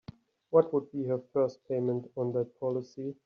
What would be her first payment on that policy?